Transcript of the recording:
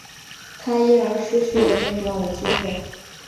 他因而失去了任教的机会。